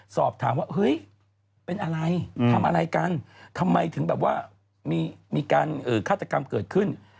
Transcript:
สอบถามว่าเฮ้ยเป็นอะไรทำอะไรกันทำไมถึงแบบว่ามีการฆาตกรรมเกิดขึ้น